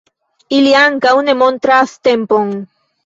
Ili ankaŭ ne montras tempon.